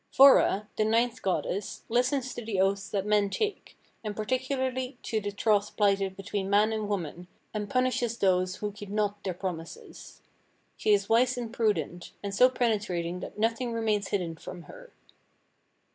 Vora, the ninth goddess, listens to the oaths that men take, and particularly to the troth plighted between man and woman, and punishes those who keep not their promises. She is wise and prudent, and so penetrating that nothing remains hidden from her.